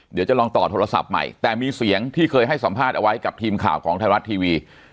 เดี๋ยวจะลองต่อโทรศัพท์ใหม่แต่มีเสียงที่เคยให้สัมภาษณ์เอาไว้กับทีมข่าวของไทยรัฐทีวี